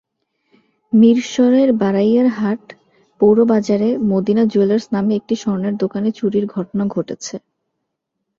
মিরসরাইয়ের বারইয়ারহাট পৌর বাজারে Medina jewellers নামে একটি স্বর্ণের দোকানে চুরির ঘটনা ঘটেছে।